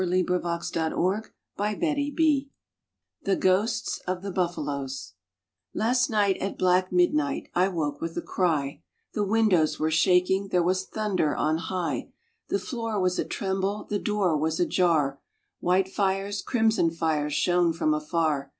Walter de la Mare RAINBOW GOLD THE GHOSTS OF THE BUFFALOES LAST night at black midnight I woke with a cry, The windows were shaking, there was thunder on high, The floor was a tremble, the door was a jar, White fires, crimson fires, shone from afar.